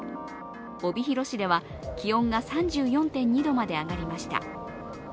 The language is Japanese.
帯広市では気温が３４．２度まで上がりました。